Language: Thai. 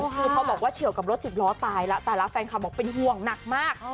คือเขาบอกว่าเฉียวกับรถสิบล้อตายแล้วแต่ละแฟนคลับบอกเป็นห่วงหนักมาก